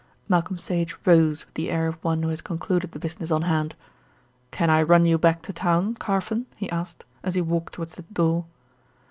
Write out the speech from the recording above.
Malcolm Sage rose with the air of one who has concluded the business on hand. "Can I run you back to town, Carfon?" he asked, as he walked towards the door.